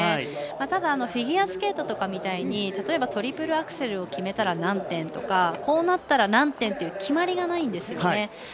ただフィギュアスケートとかみたいに例えば、トリプルアクセルを決めたら何点とか決まりがないんです。